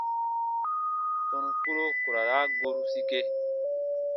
Tɔnu kpuro ku ra raa goru sike.